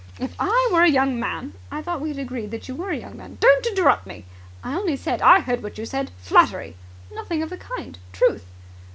If I were a young man ..." "I thought we had agreed that you were a young man." "Don't interrupt me!" "I only said ..." "I heard what you said. Flattery!" "Nothing of the kind. Truth."